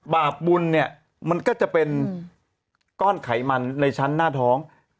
บาปบุญเนี่ยมันก็จะเป็นก้อนไขมันในชั้นหน้าท้อง